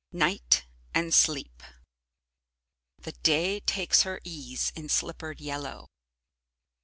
Night and Sleep The day takes her ease in slippered yellow.